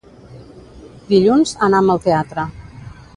Dilluns anam al teatre.